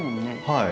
はい。